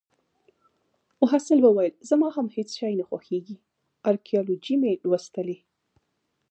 محصل وویل: زما هم هیڅ شی نه خوښیږي. ارکیالوجي مې لوستلې